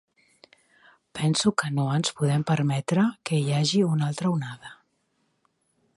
Penso que no ens podem permetre que hi hagi una altra onada.